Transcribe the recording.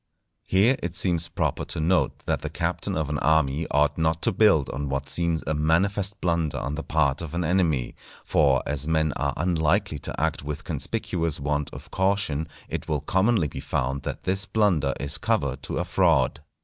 Here it seems proper to note that the captain of an army ought not to build on what seems a manifest blunder on the part of an enemy; for as men are unlikely to act with conspicuous want of caution, it will commonly be found that this blunder is cover to a fraud.